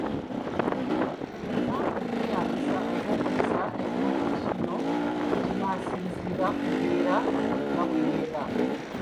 Gyonna ogyeyambisa oba okozesaako gimu, kino kinaasinziira ku mbeera nga bw’enaaba.